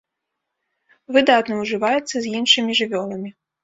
Выдатна ўжываецца з іншымі жывёламі.